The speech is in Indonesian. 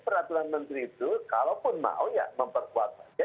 peraturan menteri itu kalaupun mau ya memperkuat saja